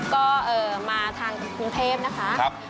ก็มาทางกรุงเทพนะคะ